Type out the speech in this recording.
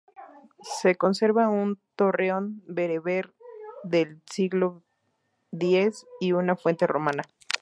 Se conserva un torreón bereber del s.X y una fuente romana.